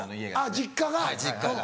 実家が。